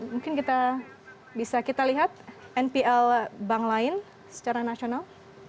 mungkin kita bisa kita lihat npl bank lain secara nasional